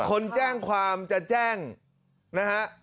คนแจ้งความจะแจ้งนะฮะ